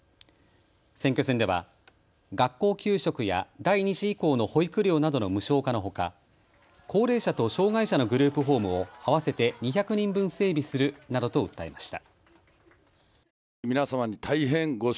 選挙戦では、学校給食や第２子以降の保育料などの無償化のほか高齢者と障害者のグループホームを合わせて２００人分整備するなどと訴えました。